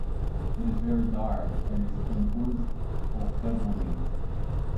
It is very dark and is composed of carbonates.